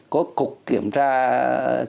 có cục kiểm tra chất lượng